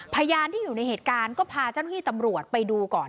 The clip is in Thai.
พยานที่อยู่ในเหตุการณ์ก็พาเจ้าหน้าที่ตำรวจไปดูก่อน